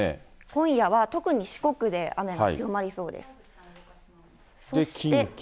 今夜は特に四国で、雨が強まりそうです。